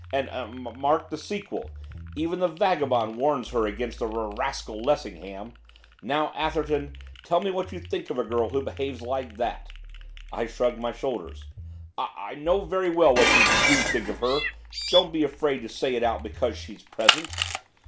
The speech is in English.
And m mark the sequel! even the vagabond warns her against the r rascal Lessingham! Now, Atherton, tell me what you think of a girl who behaves like that?' I shrugged my shoulders. 'I I know very well what you d do think of her, don't be afraid to say it out because she's present.